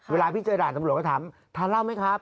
เวลาพี่เจอด่านตำรวจก็ถามทานเหล้าไหมครับ